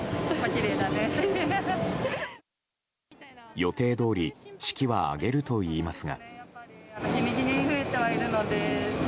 予定どおり式は挙げるといいますが。